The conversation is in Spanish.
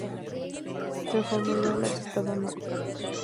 Se formuló el Atestado No.